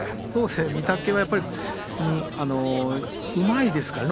御嶽海はうまいですからね